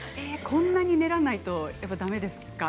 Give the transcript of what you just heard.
こんなに練らないとやっぱり、だめですか？